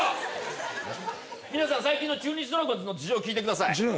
皆さん最近の中日ドラゴンズの事情を聞いてください。